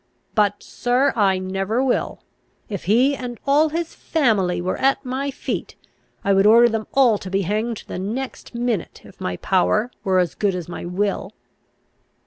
But, sir, I never will. If he and all his family were at my feet, I would order them all to be hanged the next minute, if my power were as good as my will."